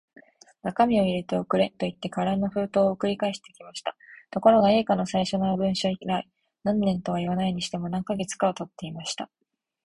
中身を入れて送れ、といって空の封筒を送り返してきました。ところが、Ａ 課の最初の文書以来、何年とはいわないにしても、何カ月かはたっていました。